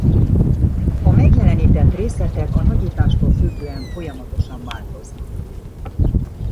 A megjelenített részletek a nagyítástól függően folyamatosan változnak.